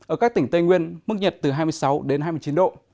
ở các tỉnh tây nguyên mức nhiệt từ hai mươi sáu đến hai mươi chín độ